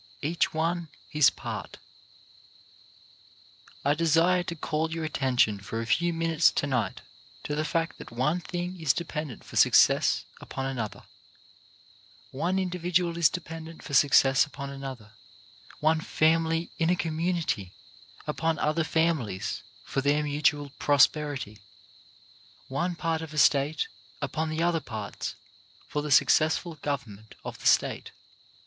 EACH ONE HIS PART I desire to call your attention for a few minutes to night to the fact that one thing is dependent for success upon another, one individual is depen dent for success upon another, one family in a community upon other families for their mutual prosperity, one part of a State upon the other parts for the successful government of the State.